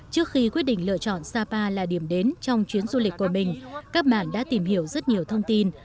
trước khi quyết định lựa chọn sapa là điểm đến trong chuyến du lịch của mình các bạn đã tìm hiểu rất nhiều thông tin